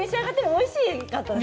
おいしかったです